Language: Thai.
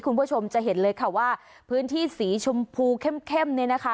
คุณผู้ชมจะเห็นเลยค่ะว่าพื้นที่สีชมพูเข้มเนี่ยนะคะ